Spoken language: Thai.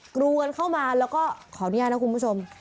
กลัวกันเข้ามาแล้วก็ขออนุญาตนะคุณผู้ชม